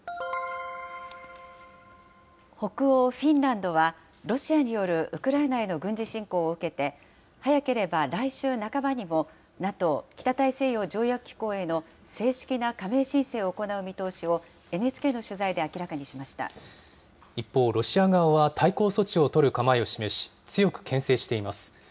北欧フィンランドは、ロシアによるウクライナへの軍事侵攻を受けて、早ければ来週半ばにも、ＮＡＴＯ・北大西洋条約機構への正式な加盟申請を行う見通しをＮ一方、ロシア側は対抗措置を取る構えを示し、強くけん制しています。